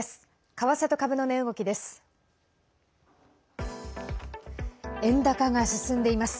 為替と株の値動きです。